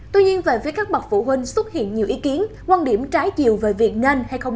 tuy nhiên về phía các bậc phụ huynh xuất hiện nhiều ý kiến quan điểm trái chiều về việc nên hay không